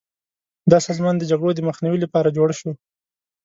دا سازمان د جګړو د مخنیوي لپاره جوړ شو.